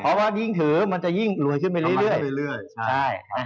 เพราะรวมรวยขึ้นไปเรื่อย